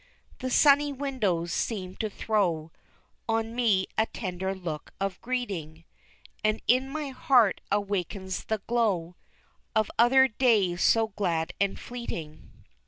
The sunny windows seem to throw On me a tender look of greeting, And in my heart awakes the glow Of other days so glad and fleeting.